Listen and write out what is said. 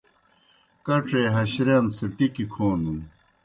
کڇے ہشرِیان سہ ٹِکیْ کھونَن۔